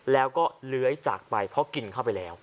แล้วก็เลื้อยจากไปเพราะกินเข้าไปแล้ว